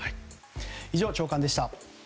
以上、朝刊でした。